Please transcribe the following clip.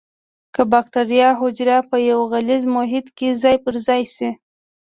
که بکټریا حجره په یو غلیظ محیط کې ځای په ځای شي.